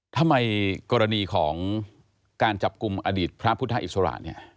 ทำไมกรณีของการจับกลุ่มอดิษฐ์พระพุทธศาสตร์อิสระ